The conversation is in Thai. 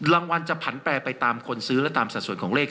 รางวัลจะผันแปรไปตามคนซื้อและตามสัดส่วนของเลข